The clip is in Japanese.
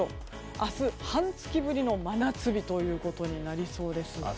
明日、半月ぶりの真夏日ということになりそうです。